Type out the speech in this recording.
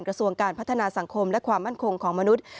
กระทรวงการพัฒนาสังคมและความมั่นคงของมนุษย์